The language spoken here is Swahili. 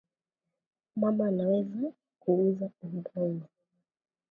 Mama anaweza ku uza udongo